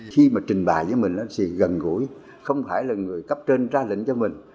khi mà trình bài với mình anh sĩ gần gũi không phải là người cấp trên ra lệnh cho mình